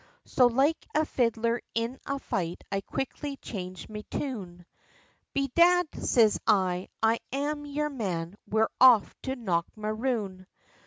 So like a fiddler in a fight I quickly changed me tune, "Bedad!" siz I, "It's I'm yer man, we're off to Knockmaroon."